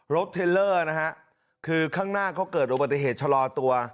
เทลเลอร์นะฮะคือข้างหน้าเขาเกิดอุบัติเหตุชะลอตัว